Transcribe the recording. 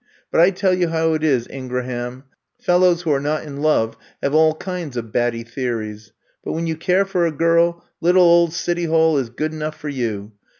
But I tell you how it is, Ingraham, — fellows who are not in love have all kinds of batty theories. But when you care for a girl, little old City Hall is good enough for you.